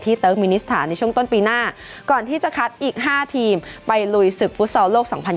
เติร์กมินิสถานในช่วงต้นปีหน้าก่อนที่จะคัดอีก๕ทีมไปลุยศึกฟุตซอลโลก๒๐๒๐